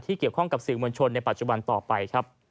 ที่เกี่ยวข้องกับสิ่งมวลชนในปัจจุบันต่อไป